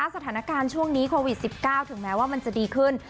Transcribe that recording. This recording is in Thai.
สถานการณ์ช่วงนี้โควิด๑๙ถึงแม้ว่ามันจะดีขึ้น